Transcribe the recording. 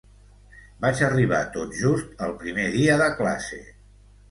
Vaig arribar tot just el primer dia de classe.